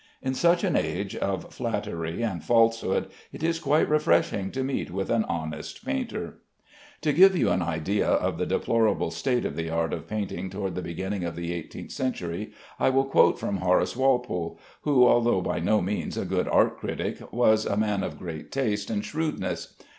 In such an age of flattery and falsehood it is quite refreshing to meet with an honest painter. To give you an idea of the deplorable state of the art of painting toward the beginning of the eighteenth century, I will quote from Horace Walpole, who, although by no means a good art critic, was a man of great taste and shrewdness.